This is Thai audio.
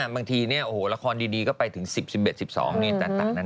บางทีเนี่ยโอ้โหละครดีก็ไปถึง๑๐๑๑๑๒เนี่ยต่างหน้า